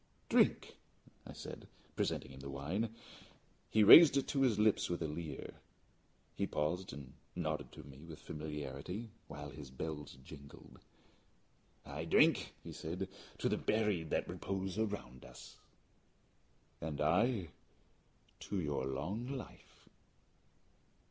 "Drink," I said, presenting him the wine. He raised it to his lips with a leer. He paused and nodded to me familiarly, while his bells jingled. "I drink," he said, "to the buried that repose around us." "And I to your long life."